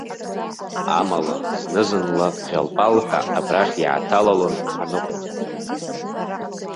Амала, зны-зынла ӷьал-пал ҳәа абрахь иааҭалалон аныҟәацәа.